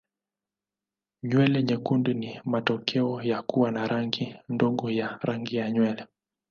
Nywele nyekundu ni matokeo ya kuwa na rangi ndogo ya rangi ya nywele.